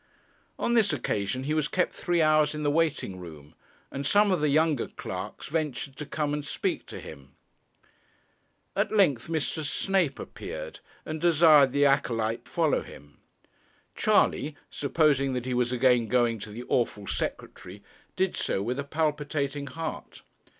On this occasion he was kept three hours in the waiting room, and some of the younger clerks ventured to come and speak to him. At length Mr. Snape appeared, and desired the acolyte to follow him. Charley, supposing that he was again going to the awful Secretary, did so with a palpitating heart.